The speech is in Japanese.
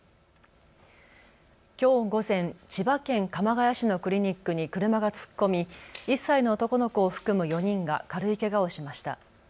きょう午前、千葉県鎌ケ谷市のクリニックに車が突っ込み１歳の男の子を含む４人が軽いけがをしました。